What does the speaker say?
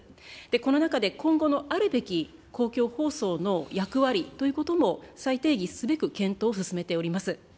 この中で、今後のあるべき公共放送の役割ということも再定義すべく、検討を進めております。